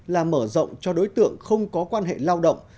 là mở rộng cho đối tượng không có quan hệ lao động